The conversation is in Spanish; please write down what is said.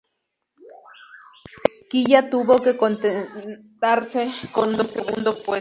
Kiya tuvo que contentarse con un segundo puesto.